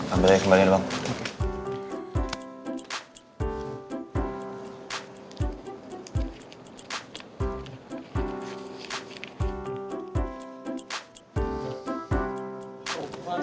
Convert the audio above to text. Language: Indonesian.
ambil aja kembali aja bang